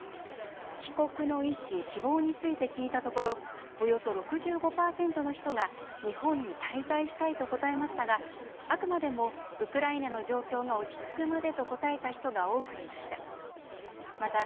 帰国の意思・希望について聞いたところおよそ６５％の人が「日本に滞在したい」と答えましたがあくまでも「ウクライナの状況が落ち着くまで」と答えた人が多くいました。